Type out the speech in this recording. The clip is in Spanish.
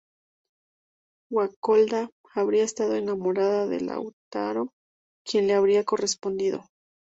Guacolda habría estado enamorada de Lautaro, quien le habría correspondido.